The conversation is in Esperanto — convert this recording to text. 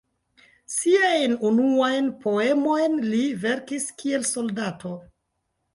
Siajn unuajn poemojn li verkis kiel soldato.